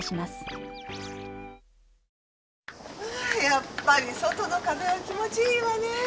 やっぱり外の風は気持ちいいわねえ。